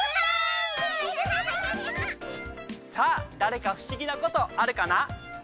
さあ誰か不思議なことあるかな？